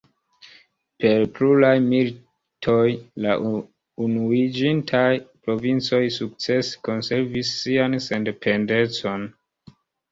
Per pluraj militoj, la Unuiĝintaj Provincoj sukcese konservis sian sendependecon.